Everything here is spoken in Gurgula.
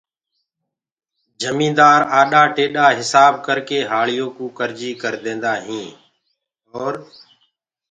جميندآر آڏآ ٽيڏآ هسآب ڪرڪي هآݪيوڪو ڪرجي ڪرديندآ هين اور